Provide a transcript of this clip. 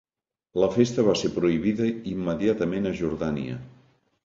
La festa va ser prohibida immediatament a Jordània.